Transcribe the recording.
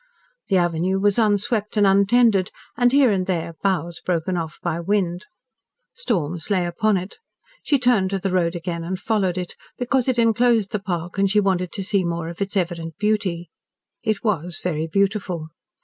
The avenue was unswept and untended, and here and there boughs broken off by wind. Storms lay upon it. She turned to the road again and followed it, because it enclosed the park and she wanted to see more of its evident beauty. It was very beautiful.